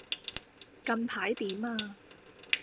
近排點呀